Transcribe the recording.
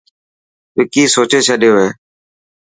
وڪي سوچي ڇڏيو هي.